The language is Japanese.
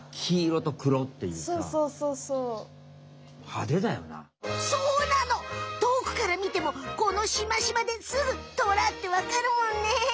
とおくから見てもこのシマシマですぐトラってわかるもんね。